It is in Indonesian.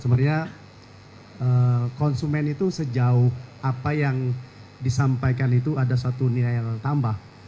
sebenarnya konsumen itu sejauh apa yang disampaikan itu ada satu nilai tambah